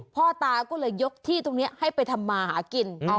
พ่อตาก็เลยยกที่ตรงนี้ให้ไปทำมาหากิน